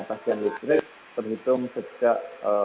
tagihan listrik terhitung sejak